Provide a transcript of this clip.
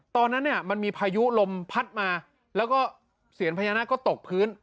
ตอนนั้นเนี่ยมันมีพายุลมพัดมาแล้วก็เสียญพญานาคก็ตกพื้น